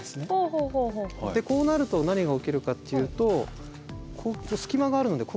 でこうなると何が起きるかっていうと隙間があるのでここをね